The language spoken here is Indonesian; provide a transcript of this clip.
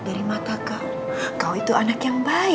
terima kasih tante